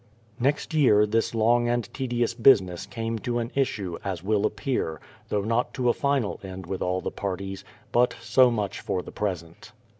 Next year this long and tedious business came to an Issue, as will appear, though not to a final end with all the parties ; but so much for the present.